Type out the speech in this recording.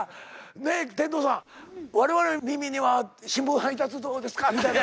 ねえ天童さん我々の耳には「新聞配達どうですか」みたいな。